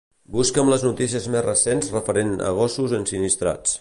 Busca'm les notícies més recents referents a gossos ensinistrats.